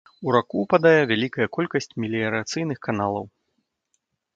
У раку ўпадае вялікая колькасць меліярацыйных каналаў.